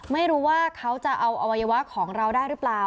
ไม่รู้ว่าเขาจะเอาอวัยวะของเราได้หรือเปล่า